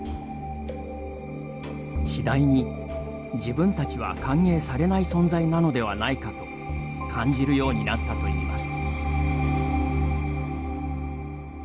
次第に、自分たちは歓迎されない存在なのではないかと感じるようになったといいます。